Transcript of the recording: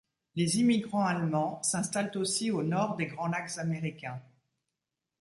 Les immigrants allemands s'installent aussi au nord des grands Lacs américains.